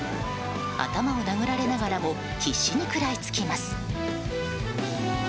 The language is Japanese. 頭を殴られながらも必死に食らいつきます。